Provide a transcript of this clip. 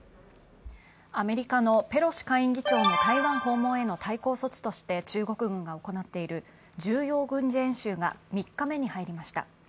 アメリカのペロシ下院議長の台湾訪問への対抗措置として中国軍が行っている重要軍事演習が３日目に入りました